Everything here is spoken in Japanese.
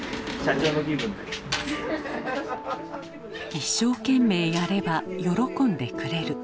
一生懸命やれば喜んでくれる。